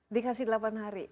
dikasih delapan hari